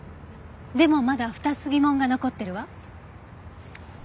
でもまだ２つ疑問が残ってるわ。